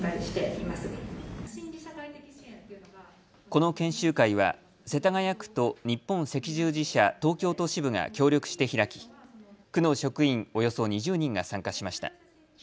この研修会は世田谷区と日本赤十字社東京都支部が協力して開き区の職員およそ２０人が参加しました。